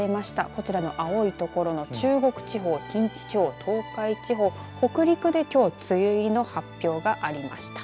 こちらの青い所、中国地方近畿地方、東海地方北陸で、きょう梅雨入りの発表がありました。